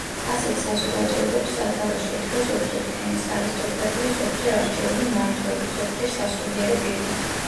ასეთ საზოგადოებებს სათავეში ედგა ზოგჯერ თემის არისტოკრატია, ზოგჯერ არჩეული მმართველი, ზოგჯერ სასულიერო პირი.